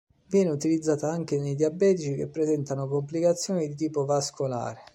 Viene utilizzata anche nei diabetici che presentano complicazioni di tipo vascolare.